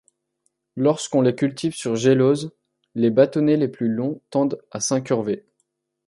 Lorsqu'on les cultive sur gélose, les bâtonnets les plus longs tendent à s'incurver.